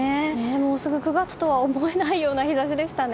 もうすぐ９月とは思えないような日差しでしたね。